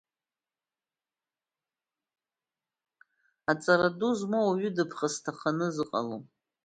Аҵара ду змоу ауаҩы дыԥхасҭахоны зыҟалом.